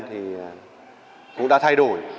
thì cũng đã thay đổi